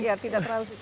iya tidak terlalu